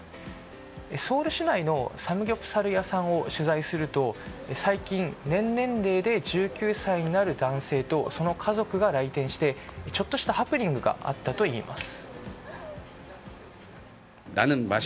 ソウル市内のサムギョプサル屋さんを取材すると最近、年年齢で１９歳になる男性とその家族が来店してちょっとしたハプニングがあったといいます。